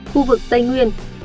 khu vực tây nguyên